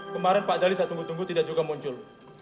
kemarin pak dali saya tunggu tunggu tidak juga muncul